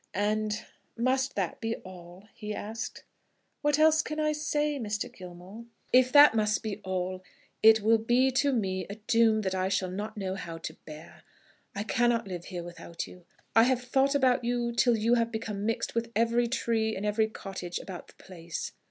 "And must that be all?" he asked. "What else can I say, Mr. Gilmore?" "If that must be all, it will be to me a doom that I shall not know how to bear. I cannot live here without you. I have thought about you till you have become mixed with every tree and every cottage about the place.